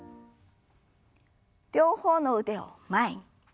両方の腕を前に。